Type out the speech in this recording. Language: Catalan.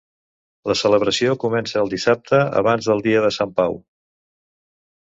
La celebració comença el dissabte abans del dia de sant Pau.